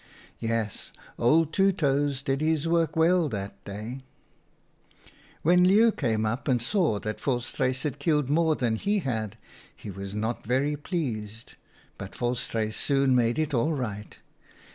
Yes, old Two Toes did his work well that day. "When Leeuw came up and saw that Vol WHO WAS KING? 35 struis had killed more than he had, he was not very pleased, but Volstruis soon made it all right.